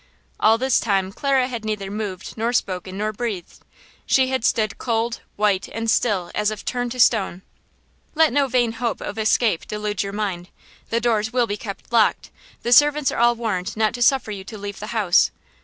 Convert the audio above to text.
All this time Clara had neither moved nor spoken nor breathed. She had stood cold, white and still as if turned to stone. "Let no vain hope of escape delude your mind. The doors will be kept locked; the servants are all warned not to suffer you to leave the house.